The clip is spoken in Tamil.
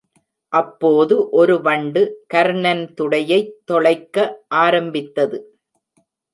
அப்போது ஒரு வண்டு கர்ணன் துடையைத் தொளைக்க ஆரம்பித்தது.